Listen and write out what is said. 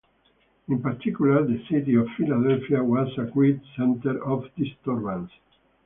In particular, the city of Philadelphia was a great center of disturbance.